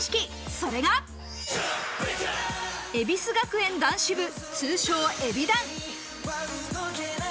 それが恵比寿学園男子部、通称ＥＢｉＤＡＮ。